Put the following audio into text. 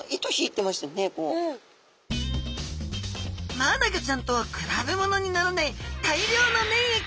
マアナゴちゃんとは比べものにならない大量の粘液！